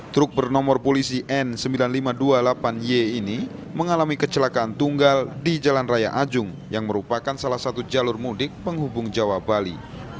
truk bernomor polisi n sembilan ribu lima ratus dua puluh delapan y ini mengalami kecelakaan tunggal di jalan raya ajung yang merupakan salah satu jalur mudik penghubung jawa bali